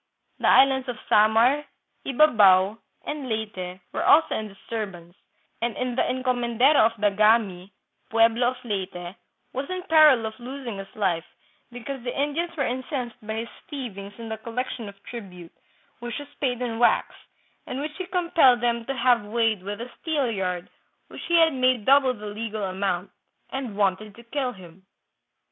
" The islands of Samar, Ybabao, and Leyte were also hi disturbance, and the encomendero of Dagami, pueblo of Leyte, was in peril of losing his life, because the Indians were incensed by his thievings in the collection of tribute, which was paid in wax, and which he compelled them to have weighed with a steelyard which he had made double the legal amount, and wanted to kill him.